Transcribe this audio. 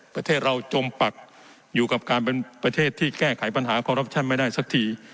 ประเทศเราจมปักอยู่กับการเป็นประเทศที่แก้ไขปัญหาคอรัปชั่นไม่ได้สักที